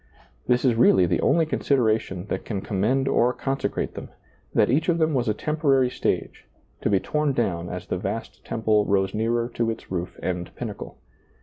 TWs is really the only consideration that can commend or consecrate them, that each of them was a temporary stage, to be torn down as the vast temple rose nearer to its roof and pin nacle.